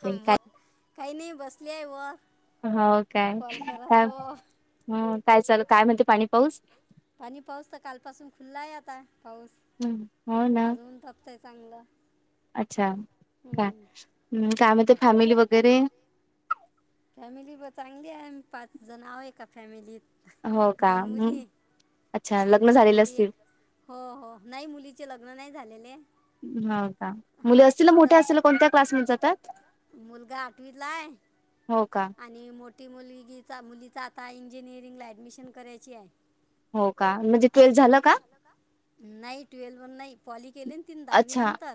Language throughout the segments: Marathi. ह व काही नाही बसले व हो काय का, का चल काय म्हणते पाणी पाऊस. खुल्लाय आता. हम् हो ना! चांगलं, अच्छा! का काय म्हणत्या फॅमिली वगैरे फॅमिली व चांगली आहे पाच जण आहेय का फॅमिलीत. हो का अच्छा! लग्न झालेले असतील. हो हो नाही मुलीचे लग्न नाही झालेले. हो का मुले असतील ना मोठ्या असेल कोणत्या क्लास मध्ये जातात. मुलगा आठवीतलाय. आणि मोठी मुलगीचा मुलीचा आता इंजिनिअरिंग ला ऍडमिशन करायची आहे. हो का म्हणजे ट्वेल्थ झालं का? नाही ट्वेल्व व नाही पॉली केले तीन दहावी नंतर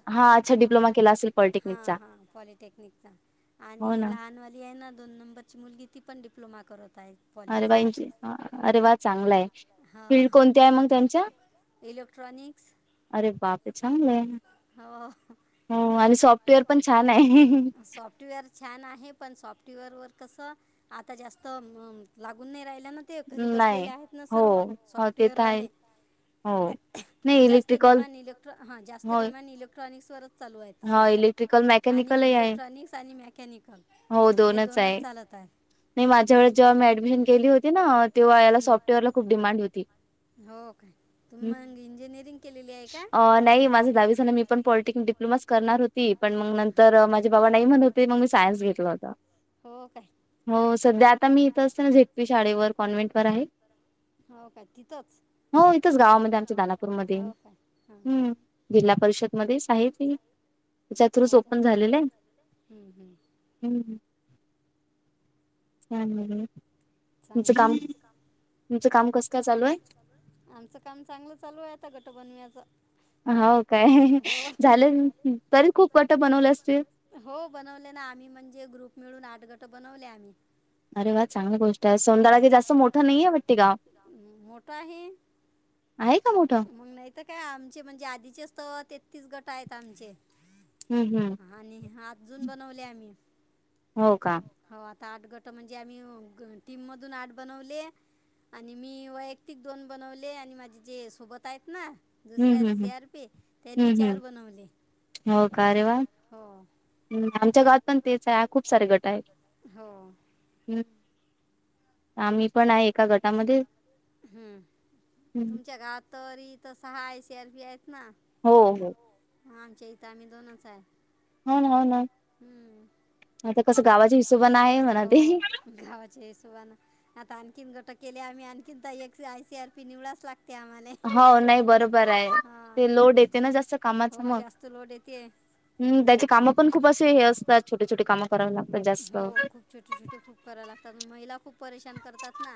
ह हा पॉलिटेक्निकचा आणि लहानवाली आहे ना! दोन नंबरची मुलगी ती पण डि्लोमा करत. अरे वाची अरे वा चांगलाय. फिल्ड कोणती आहे मग त्यांच्या. अरे बापे! चांगले ह आणि स्व सॉफ्टवेअर पण छान हाय सॉफ्टवेअर छान आहे पण सॉफ्टवेअर वर कस आता जास्त लागून नाही राहील आपल्यांना ते घरी बसलेले आहेत ना सर्व सॉफ्टवेअर वाले जास्त डिमांड इले हा जास्त डिमांड इलेक्ट्रॉनिक् परत चालू आहेत सध्या आणि इलेक्ट्रॉनिक्स आणि मेकॅनिकल हे दोनच चालत आहे नाही माझ्यावेळेस जेव्हा मी ऍडमिशन केली होती ना तेव्हा याला सॉफ्टवेअरला खूप डिमांड होती अ नाही माझ दहावीस ना मी पण पॉलिटिकनिक डिप्लो लूमस करणार होती पण मग नंतर माझे बाबा नाही म्हणते मग मी सायन्स घेतला होता. म सध्या आता मी इथं असते ना झेटप शाळेवर कॉन्व्हेंट वर आहे. हो का तिथं. हो इथंच गावामध्ये आमच्या दानापूरमध्ये हम् जिल्हा परिषदमध्येच आहेत. त्यातरच झोपन झालेलं आहे हम्! हां चांगलं आहे म आमचं काम चांगलं चालू आहेता गट बनव्याच. हो काय, झालं तरी खूप पटा बनवले असतील. हो बनवले ना आम्ही म्हणजे ग्रुप मिळून आठ गट बनवले आम्ही. [unintelligible] हो हो मोठा आहे आहे का मोठा आता काय आमचे म्हणजे आधीचेच तर तेहतीस गट आहेत आमचे आणि अजून बनवले आम्ही हो का आठ गट म्हणजे आम्ही टीम मधून आठ बनवले आणि मी वैयक्तिक दोन बनवले आणि माझे जे सोबत आहेत ना दुसऱ्या सी आर पी त्यांनी चार बनवले हो का अ रे वा आमच्या गावात पण तेच आहे खूप सारे गट आहेत हो आम्ही पण आहे हम्म तुमच्या गावात तरी इथ सहाय सेलफी आहेत ना हो हो हा आमचे इता आम्ही दोनच आहे हो ना हो ना आता कसं गावाचे वि हो गावाच्या हिशोबान आता आणखीन गट केले आम्ही आणखी एक आय सी आर पी निवळास लाग हो नई बरोबर आहे तो लोड येतो ना जास्त कामाचा. हम्म त्याची कामं पण खूप असे हे छोटी छोटी कामे करावी लागतात हो खूप छोटी छोटी खूप कराव लागतात महिला खूप परेशान करतात ना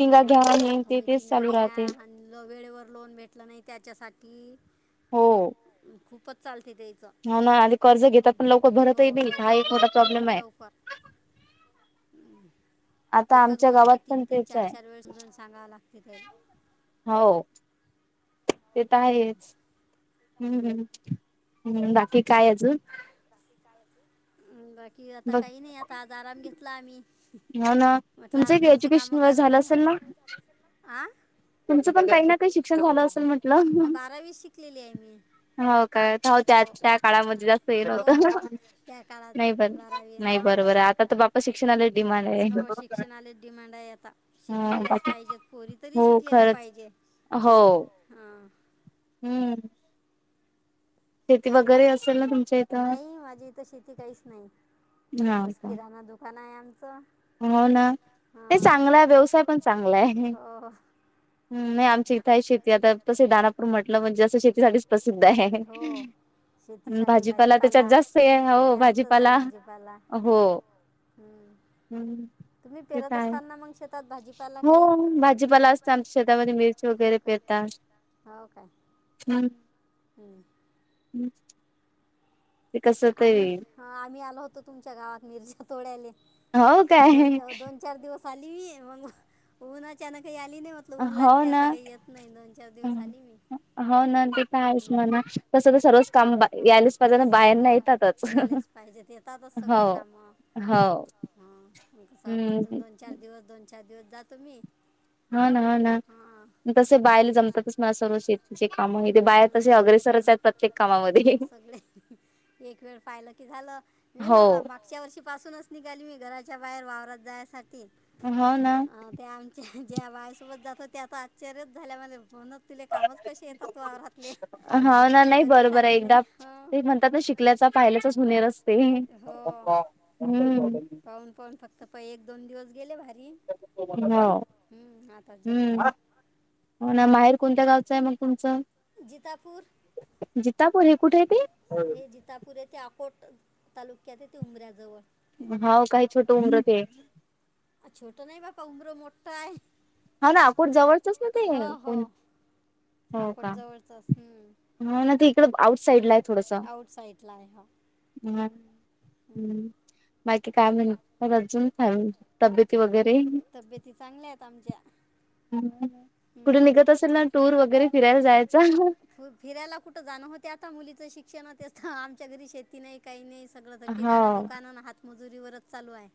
हा तु मीटिंग घ्या वेळेवर लोन भेटला नाही त्याच्यासाठी [inaudible] हो खूपच चालते. हो ना आधी कर्ज घेतात. आणि लवकर भरत नाही एक मोठा प्रॉब्लेम लवकर एकच गोष्ट तीन तीन चार चार वेळ जाऊन सांगाव लागते ते तर आहेच हम्म हम् हम्म बाकी काय अजून. आता काही नाही. आज आराम घेतला आम्ही. हो ना तुमचं ग्रॅज्युकेशन झालं असेल ना. तुमचं पण काही ना काही शिक्षण झालं असेल. हो बारावी शिकलेली आहे मी. हो काय त्या त्या काळामध्ये जास्त ये नव्हतं [unintelligible] नाही बर नाही बरोबर आता तर बापा शिक्षणाला डिमांड. हो शिक्षणालाच डिमांड आहे आता शिकलेल्याच पाहिजेत पोरी तरी शिकलेल्या पाहिजे. हो. हम्म. शेती वगैरे असेल. तुमच्या इथं. बस किराणा दुकाना या हो ना तो चांगला व्यवसाय पण चांगला आहे. ह नाही आमची इथं शेती आता तसे दानापूर म्हटलं म्हणजे जं शेतीसाठीच प्रसिद्ध आहे हो भाजीपाला त्याच्यात जास्त आहे हो भाजीपाला हम्म शेत हाय हो भाजीपाला असत आमच्या शेतामध्ये वगैरे पेरता हम् ह आम्ही आलो होतो तुमच्या गावात मिरची तोडायला हो काय ली मग होऊन चनक या हो ना हो ना ते का आहेच म्हणा तस सर्वच काम यायला पाहिजे बायांना येतातच. हो. हा कस हप्त्यातून दोन चार दिवस दोन चार दिवस जातो मी. हो ना हो ना. तसे बायांना जमतातच सर्व शेतीचे काम आहे ते. अग्रेसरच आहेत. सगळे एक वेळ पाहिलं की झालं मी ना मागच्या वर्षी [unintelligible] केव्हापासून निघाली मी घराच्या बाहेर वावरात जाण्यासाठी. हो ना. ज्या बायासोबत जात त्याच आश्चर्यच झाल्यामध्ये. हो ना तुम्हाला कामच कसे येतात वावरातले. नाही बरोबर आहे. एकदा ते म्हणतात ना शिकल्याचा फायदा हसतो. हम्म. पाहून पाहून फक्त प एक दोन दिवस गेले बा. हो हम् हो ना माहेर. कोणत्या गावचं आहे मग तुमचं जितापूर हे कुठे आहे ते. हे जितापूर ये ते अकोट तालुक्यात आहे ती उमऱ्याजवळ. हा काही छोट उमरत. प्रय. हा ना कोण जवळचस ना ते कोण. आकोट जवळच असत. हा ना ते इकडं आउट साईड ला थडंस. आउट साईडला आहे हा. हम्म बाकी काय म्हण अजून. तब्येत चांगल्या आहेत आमच्या. ह. कुठे निघत असेल ना टूर वगैरे फिरायला जायच. शिक्षणाततं आमच्या घरी शेती नाही काही नाही सगळं तर किराणा दुकानं हातमजुरीवरच चालू आहे.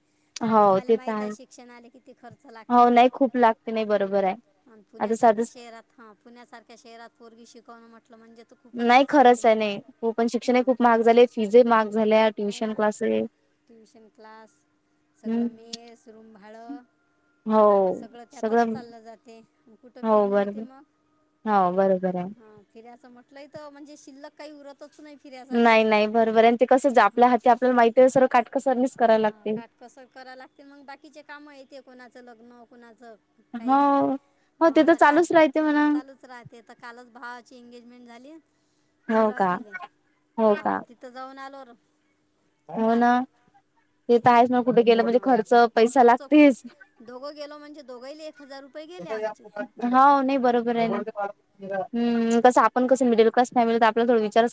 आणि तुम्हाला माहित आहे शिक्षणाला किती खर्च लागते. पुण्यासारख्या शहरात हा पुण्यासारख्या शहरात पोरगी शिकव. नाही खरंच आहे नाही हो पण शिक्षण खूप महाग झाले फीजे महाग झाल्या ट्युशन क्लासे. Tuition class. सगळं मे सुरुम भाळ सगळं त्यातच चाललं जाते हो बरोबर हो बरोबर आहे असं म्हटलंय म्हणजे शिल्क काही उरात नाही नाही बरोबर आणि ते कसच आपल्या हाती आपल्याला माहिती आहे सर्ळ काटकसरणीच करायला लागते कसं करायं लागते मग बाकीचे कामं येते कोणाचं लग्न कोुणाचं हो हो आता काल चालूच राहते तर कालच भावाची एंगेजमेंट झाली अमरावतीला हो तिथं जाऊन आलो हो ना ते. हा खर्च खूप दोघं गेलो म्हणजे दोघं एक हजार रुपये गेले आम्ही. हा नाही बरोबर आहे हम्म. कस आपण कस मिड क्स फॅमिला आप थोड विचार.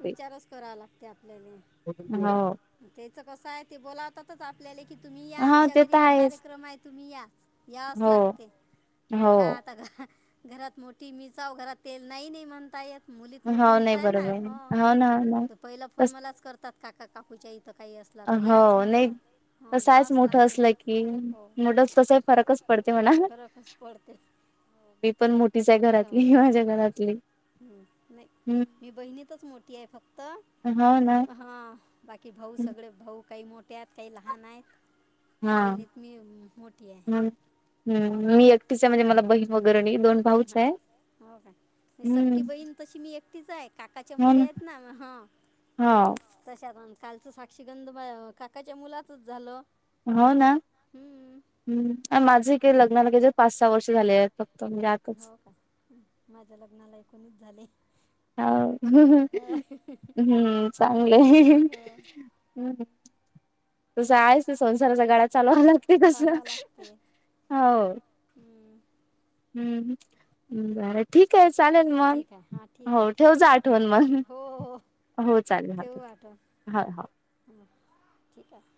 विचारच करावा लागते आपल्याला त्याच कस आहे ते बोलावतातच आपल्या. कि तुम्ही या आमच्या घरी हा कार्यक्रम आहे तुम्ही या याच लागते. मण काय आता घरात मोठी मि व घरात तेल नाही नाही म्हणता येत. हो न नाही बरब. तर पहिला फोन मलाच करतात काका काकूच्या इथं काही असला तर याच म्हणतात. तस आहेच मोठं असल की नूडल्स कस फरकच पडते म्हणा मी पण मोठीच आहे घरातली माझ्या घरातली हम् नाही मी बहिणीतच मोठी आहे फक्त हा बाकी भाऊ सगळे भाऊ त्या्यात काही लहान आहेत हा ह हम् मी एकटीच आहे म्हणजे मला बहीण वगैर हो का सक्की बहीण तशी मी एकटीच आहे काकाच्या मुली आहेत ना ह तशत कालचं साक्षीगंध काकाच्या मुलातच झालं हो ना् माझे का लग्नाला क ज पाच सहा वर्ष झाले आहेत फक्त हो का माझ्या लग्नाला एकूणच झाले ह हम्म चांगलंय हम् तसं आहेच ते संसाराच्या गाड्या चालावाव लागते तस हो हम्म् बर ठीक आहे चालेल मन हो ठेव जा आठवण मण हो चालेल ह हो हो ठीक आहे